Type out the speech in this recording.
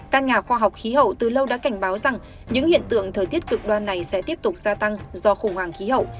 các nhà khoa học khí hậu từ lâu đã cảnh báo rằng những hiện tượng thời tiết cực đoan này sẽ tiếp tục gia tăng do khủng hoảng khí hậu